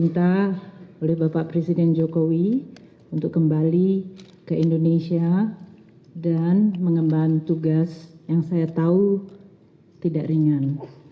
minta oleh bapak presiden jokowi untuk kembali ke indonesia dan mengemban tugas yang saya tahu tidak ringan